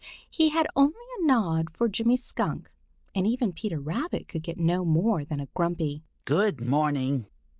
He had only a nod for Jimmy Skunk, and even Peter Rabbit could get no more than a grumpy "good morning."